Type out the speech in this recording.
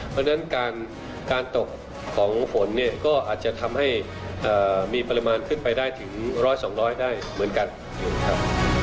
เพราะฉะนั้นการตกของฝนเนี่ยก็อาจจะทำให้มีปริมาณขึ้นไปได้ถึง๑๐๐๒๐๐ได้เหมือนกันครับ